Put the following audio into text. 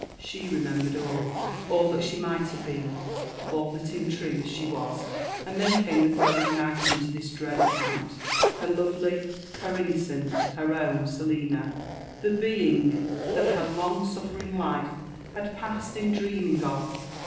She remembered all ' ^ll that she mighl have been, all Aat in truth «he was. And then came the eiosing iIbb to lUs dread aeeeunt— her lovely, her innocent, lier own Selina — the being that her kmgHHiffering life ^had fnssed in dreaming of.